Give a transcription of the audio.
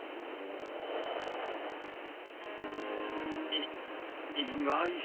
い意外！